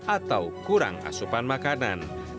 atau kurang asupan makanan